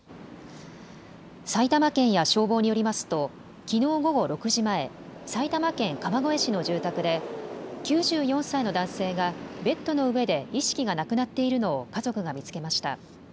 埼玉県や消防によりますときのう午後６時前、埼玉県川越市の住宅で９４歳の男性がベッドの上で意識がなくなっているのを家族が見つけました。